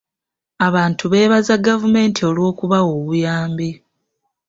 Abantu beebaza gavumenti olw'okubawa obuyambi.